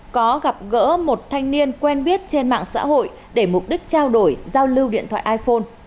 có gặp gỡ một thanh niên quen biết trên mạng xã hội để mục đích trao đổi giao lưu điện thoại iphone